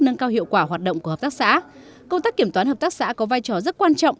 nâng cao hiệu quả hoạt động của hợp tác xã công tác kiểm toán hợp tác xã có vai trò rất quan trọng